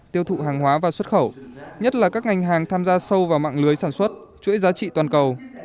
tiêu thụ hàng hóa và xuất khẩu nhất là các ngành hàng tham gia sâu vào mạng lưới sản xuất chuỗi giá trị toàn cầu